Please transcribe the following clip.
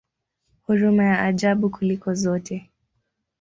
Huruma ya ajabu kuliko zote!